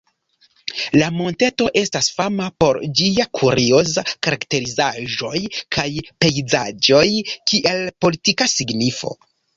La monteto estas fama por ĝia kurioza karakterizaĵoj kaj pejzaĝoj, kiel politika signifo.